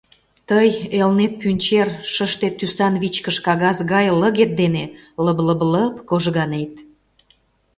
Тый, Элнет пӱнчер, шыште тӱсан вичкыж кагаз гай лыгет дене лыб-лыб-лыб кожганет.